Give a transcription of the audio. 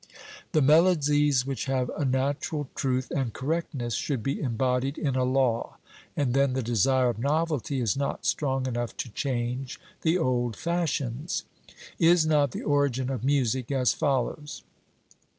The melodies which have a natural truth and correctness should be embodied in a law, and then the desire of novelty is not strong enough to change the old fashions. Is not the origin of music as follows?